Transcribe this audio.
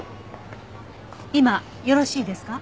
今よろしいですか？